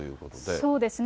そうですね。